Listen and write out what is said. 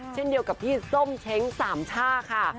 เช่นเดียวกับพี่ส้มเช้งสามช่าค่ะ